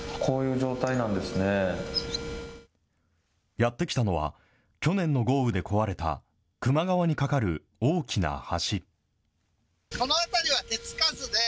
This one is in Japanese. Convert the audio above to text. やって来たのは、去年の豪雨で壊れた、球磨川に架かる大きな橋。